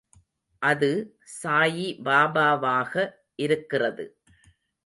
அது சாயிபாபாவாக இருக்கிறது.